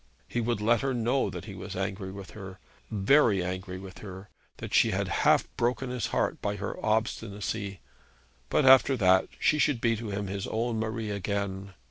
He would let her know that he was angry with her, very angry with her; that she had half broken his heart by her obstinacy; but after that she should be to him his own Marie again.